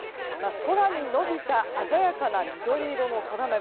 空に伸びた鮮やかな緑色の空豆。